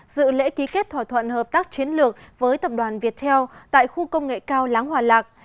dự lễ ký kết thỏa thuận hợp tác chiến lược với tập đoàn viettel tại khu công nghệ cao láng hòa lạc